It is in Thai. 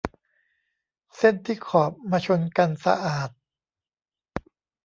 เส้นที่ขอบมาชนกันสะอาด